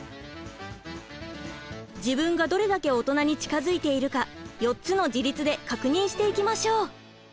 自分がどれだけオトナに近づいているか４つの自立で確認していきましょう！